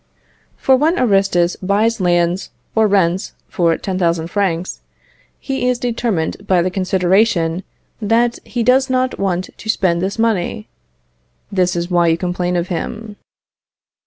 For when Aristus buys lands or rents for 10,000 francs, he is determined by the consideration that he does not want to spend this money. This is why you complain of him.